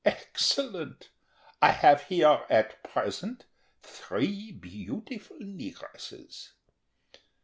Excellent! I have here at present three beautiful negresses."